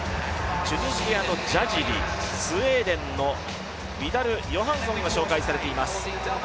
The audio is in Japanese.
チュニジアのジャジリ、スウェーデンの選手が紹介されています。